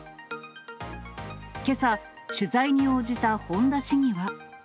けさ、取材に応じた本田市議は。